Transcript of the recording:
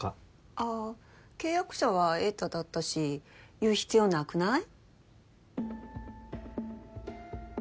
あっ契約者は栄太だったし言う必要なくない？